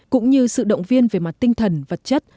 cũng như sự động viên về mặt tinh thần vật chất